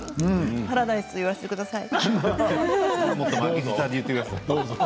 パラダイスと言わせてください。